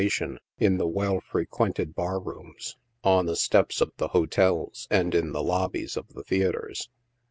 on in the well frequented bar rooms, on the steps of the hotels, and in the lobbies of the theatres.